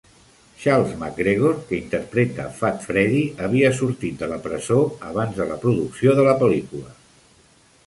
Charles McGregor, que interpreta Fat Freddie, havia sortit de la presó abans de la producció de la pel·lícula.